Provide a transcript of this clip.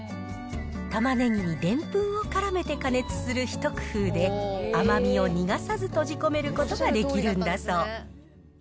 タマネギにでんぷんをからめて加熱する一工夫で、甘みを逃がさず閉じ込めることができるんだそう。